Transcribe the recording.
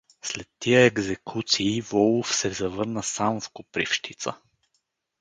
След тия екзекуции Волов се завърна сам в Копривщица.